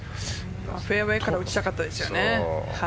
フェアウェイから打ちたかったですよね。